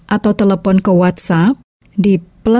atau telepon ke whatsapp di